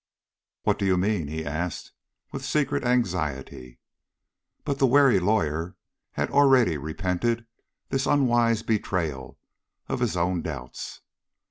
"What do you mean?" he asked, with secret anxiety. But the wary lawyer had already repented this unwise betrayal of his own doubts.